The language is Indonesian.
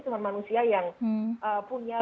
cuma manusia yang punya